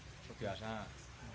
biasa orang berlebihan